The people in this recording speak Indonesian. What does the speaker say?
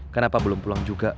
kenapa belum pulang juga